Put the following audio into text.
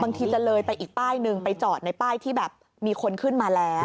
จะเลยไปอีกป้ายหนึ่งไปจอดในป้ายที่แบบมีคนขึ้นมาแล้ว